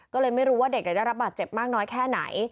ก็เลยไม่รู้ว่าเด็กได้รับบาดเจ็บมากน้อยแค่ไหน